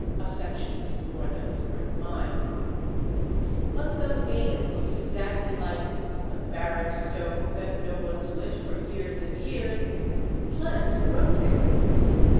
(A section is more than a square mile.) Schimper, l.c., p. 674. But though Aden looks exactly like "a barrack stove that no one's lit for years and years," plants grow there.